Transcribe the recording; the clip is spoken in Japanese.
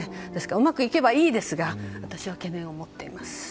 うまくいけばいいですが私は懸念を持っています。